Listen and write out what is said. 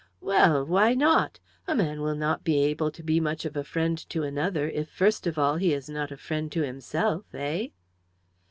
"Well why not? A man will not be able to be much of a friend to another, if, first of all, he is not a friend to himself eh?"